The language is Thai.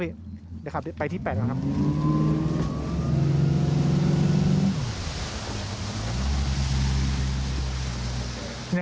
เดี๋ยวขับไปที่๘ก่อนครับ